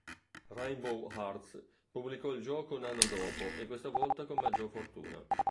Rainbow Arts pubblicò il gioco un anno dopo e questa volta con maggior fortuna.